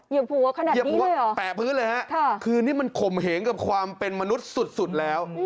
ผัวขนาดนี้เหยียบหัวแปะพื้นเลยฮะคือนี่มันข่มเหงกับความเป็นมนุษย์สุดแล้ว